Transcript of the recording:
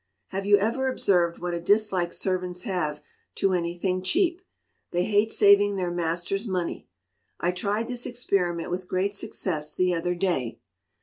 Have you ever observed what a dislike servants have to anything cheap? They hate saving their master's money. I tried this experiment with great success the other day.